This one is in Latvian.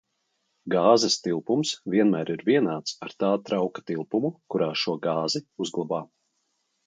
Gāzes tilpums vienmēr ir vienāds ar tā trauka tilpumu, kurā šo gāzi uzglabā.